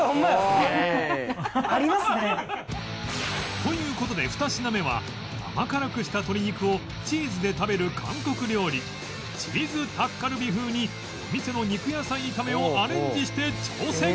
という事で２品目は甘辛くした鶏肉をチーズで食べる韓国料理チーズタッカルビ風にお店の肉野菜炒めをアレンジして挑戦！